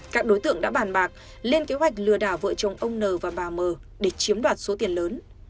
các đối tượng đã bàn bạc lên kế hoạch lừa đảo vợ chồng ông n và bà mờ để chiếm đoạt số tiền lớn